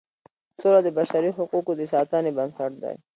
سوله د بشري حقوقو د ساتنې بنسټ دی.